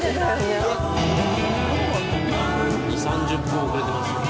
２０３０分遅れてますよ。